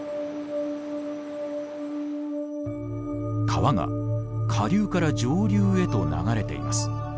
川が下流から上流へと流れています。